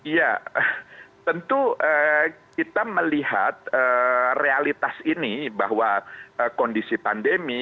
ya tentu kita melihat realitas ini bahwa kondisi pandemi